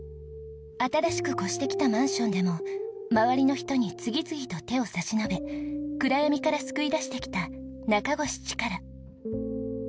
新しく越してきたマンションでも周りの人に次々と手を差し伸べ暗闇から救い出してきた中越チカラ。